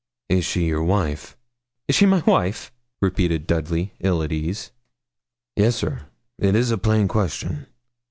'Is she your wife?' 'Is she my wife?' repeated Dudley, ill at ease. 'Yes, sir; it is a plain question.'